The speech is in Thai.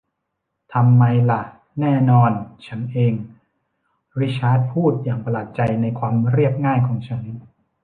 ทำไมหละ แน่นอน ฉันเอง ริชาร์ดพูดอย่างประหลาดใจในความเรียบง่ายของฉัน